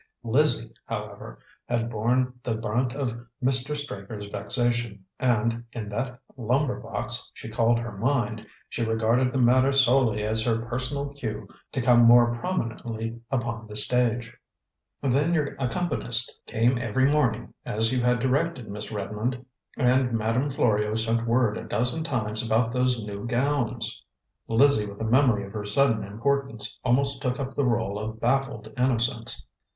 Lizzie, however, had borne the brunt of Mr. Straker's vexation, and, in that lumber box she called her mind, she regarded the matter solely as her personal cue to come more prominently upon the stage. "Then your accompanist came every morning, as you had directed, Miss Redmond; and Madame Florio sent word a dozen times about those new gowns." Lizzie, with the memory of her sudden importance, almost took up the role of baffled innocence.